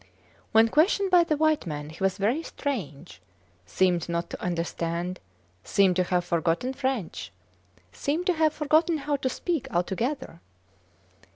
When questioned by the white men he was very strange, seemed not to understand, seemed to have forgotten French seemed to have forgotten how to speak altogether.